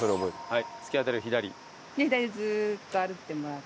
はい。